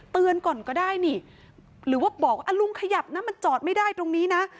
เตือนก่อนก็ได้นี่หรือว่าบอกว่าลุงขยับนะมันจอดไม่ได้ตรงนี้นะ